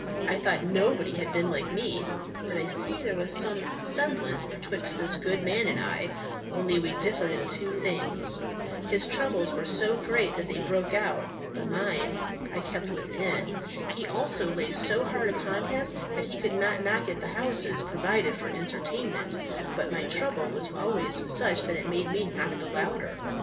I thought nobody had been like me, but I see there was some semblance betwixt this good man and I, only we differed in two things. His troubles were so great that they broke out, but mine I kept within. His also lay so hard upon him that he could not knock at the houses provided for entertainment, but my trouble was always such that it made me knock the louder."